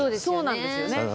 そうなんですよね。